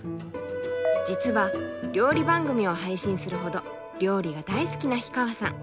実は料理番組を配信するほど料理が大好きな氷川さん。